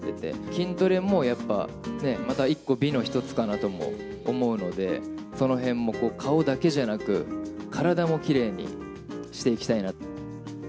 筋トレもやっぱりまた一個美の一つかなと思うので、そのへんも顔だけじゃなく、体もきれいにしていきたいなと。